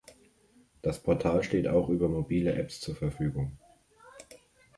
Das Portal steht auch über Mobile Apps zur Verfügung.